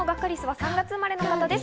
３月生まれの方です。